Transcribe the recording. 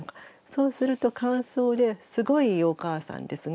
そうすると感想で「すごいいいお母さんですね」